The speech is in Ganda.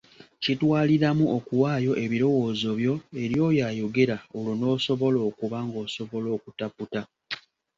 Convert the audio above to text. Kitwaliramu okuwaayo ebirowoozobyo eri oyo ayogera olwo n’osobola okuba ng’osobola okutaputa,